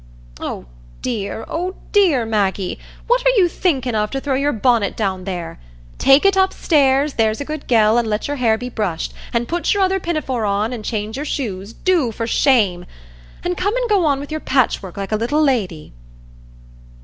"Oh, dear, oh, dear, Maggie, what are you thinkin' of, to throw your bonnet down there? Take it upstairs, there's a good gell, an' let your hair be brushed, an' put your other pinafore on, an' change your shoes, do, for shame; an' come an' go on with your patchwork, like a little lady."